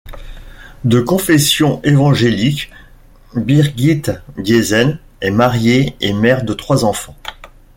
De confession évangélique, Birgit Diezel est mariée et mère de trois enfants.